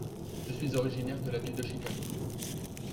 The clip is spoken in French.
Je suis originaire de la ville de Chicago.